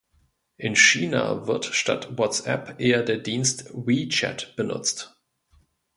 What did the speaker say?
In China wird statt WhatsApp eher der Dienst WeChat benutzt.